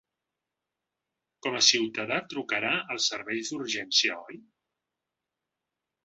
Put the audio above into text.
Com a ciutadà trucarà als serveis d’urgència, oi?